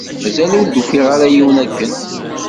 Mazal ur d-ufiɣ ara yiwen akken